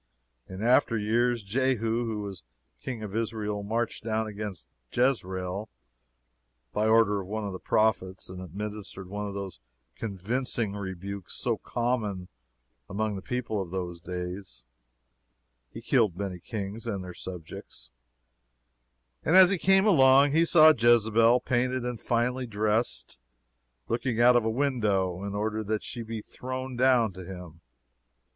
In after years, Jehu, who was King of Israel, marched down against Jezreel, by order of one of the Prophets, and administered one of those convincing rebukes so common among the people of those days: he killed many kings and their subjects, and as he came along he saw Jezebel, painted and finely dressed, looking out of a window, and ordered that she be thrown down to him.